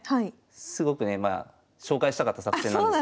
すごくねまあ紹介したかった作戦なんですよ。